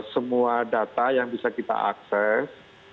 semua data yang bisa kita akses